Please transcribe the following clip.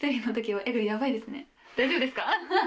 大丈夫ですか？